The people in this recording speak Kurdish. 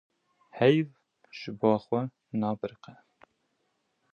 Heyv ji bo xwe nabiriqe.